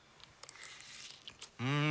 うん！